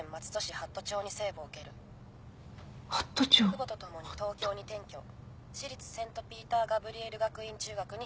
父母と共に東京に転居私立セントピーターガブリエル学院中学に編入。